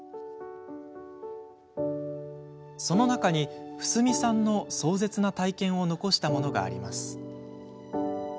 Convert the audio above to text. その中にフスミさんの壮絶な体験を残したものがあります。